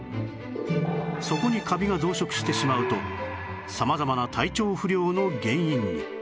そこにカビが増殖してしまうと様々な体調不良の原因に